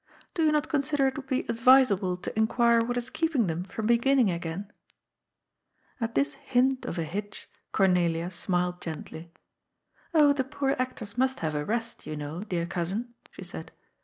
" Do you not consider it would be advisable to in quire what is keeping them from beginning again ?" At this hint of a hitch Cornelia smiled gently :" Oh, the poor actors must have a rest, you know, dear Cousin," she said.